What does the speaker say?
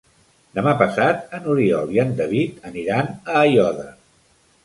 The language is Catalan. Demà passat n'Oriol i en David aniran a Aiòder.